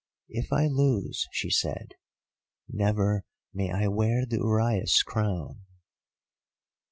'If I lose,' she said, 'never may I wear the uraeus crown.